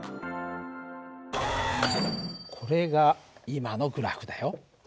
これが今のグラフだよ。